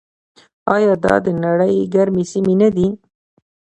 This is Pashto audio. آیا دا د نړۍ ګرمې سیمې نه دي؟